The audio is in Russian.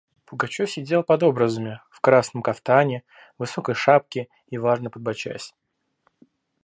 Пугачев сидел под образами, в красном кафтане, в высокой шапке и важно подбочась.